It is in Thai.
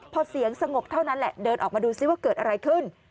พอเสียงสงบเท่านั้นแหละเดินออกมาดูซิว่าเกิดอะไรขึ้น